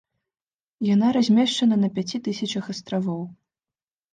Яна размешчана на пяці тысячах астравоў.